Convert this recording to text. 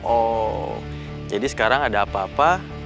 oh jadi sekarang ada apa apa